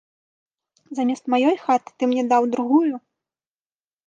Замест маёй хаты ты мне даў другую?